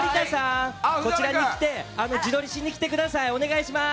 こちらに来て自撮りしに来てください、お願いします。